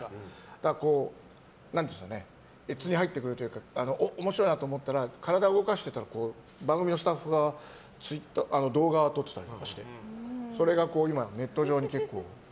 だから、悦に入ってくるというか面白くなってくると体を動かしてたら番組のスタッフが動画を撮ったりしてそれが今、ネット上に結構。